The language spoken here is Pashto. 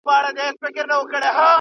چي مخکي مي هیڅ فکر نه دی پکښی کړی ,